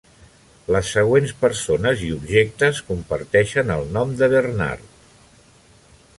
Les següents persones i objectes comparteixen el nom de Bernard.